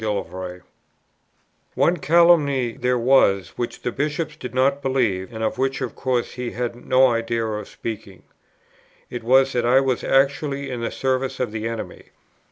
One calumny there was which the Bishop did not believe, and of which of course he had no idea of speaking. It was that I was actually in the service of the enemy.